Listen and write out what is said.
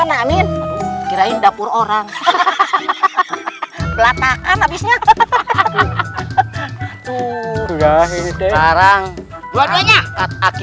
namin tirain dapur orang hahaha belatakan habisnya tuhulah ide barang bernyak prati